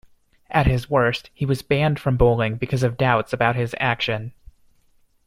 At his worst, he was banned from bowling because of doubts about his action.